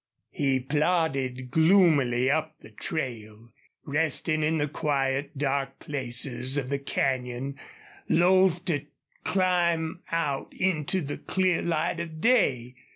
He plodded gloomily up the trail, resting in the quiet, dark places of the canyon, loath to climb out into the clear light of day.